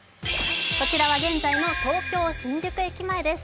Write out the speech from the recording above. こちらは現在の東京・新宿駅です。